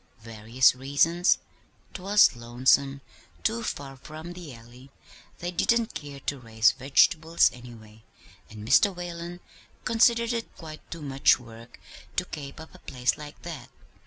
"Various reasons. 'Twas lonesome; too far from the Alley; they didn't care to raise vegetables, any way, and Mr. Whalen considered it quite too much work to 'kape up a place like that.'